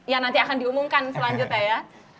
ya nanti akan diumumkan selanjutnya ya